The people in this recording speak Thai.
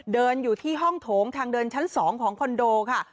เดินอยู่ที่ห้องโถงทางเดินชั้น๒ของคอนโดค่ะ